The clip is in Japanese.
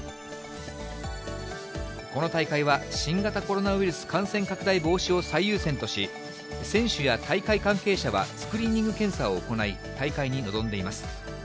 この大会は、新型コロナウイルス感染拡大防止を最優先とし、選手や大会関係者はスクリーニング検査を行い、大会に臨んでいます。